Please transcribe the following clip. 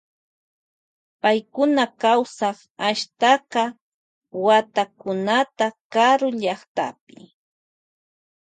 Paykuna kawsan ashtaka watakunata karu llaktapi.